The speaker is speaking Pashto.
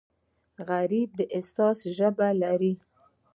غریب د احساس ژبه لري